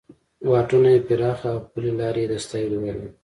واټونه یې پراخه او پلې لارې یې د ستایلو وړ وې.